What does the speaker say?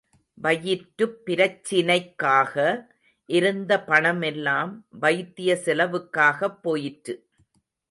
வயிற்றுப் பிரச்சினைக்காக இருந்த பணமெல்லாம், வைத்திய செலவுக்காகப் போயிற்று.